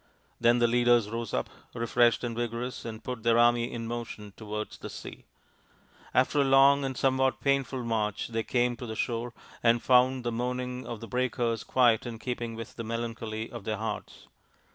Then the leaders rose up refreshed and vigorous and put their army in motion towards the sea. After a long 32 THE INDIAN STORY BOOK and somewhat painful march they came to the^shore and found the moaning of the breakers quite in keeping with the melancholy of their hearts.